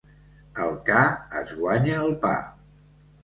El ca es guanya el pa.